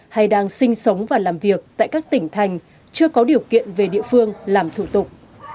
hay đang sinh sống và làm việc tại các tỉnh thành chưa có điều kiện về địa phương làm thủ tục